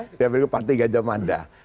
saya panggil pak tiga jam mada